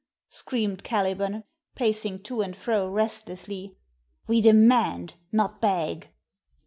screamed Caliban, pacing to and fro restlessly. "We demand, not beg!"